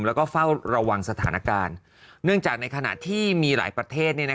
แล้วก็เฝ้าระวังสถานการณ์เนื่องจากในขณะที่มีหลายประเทศ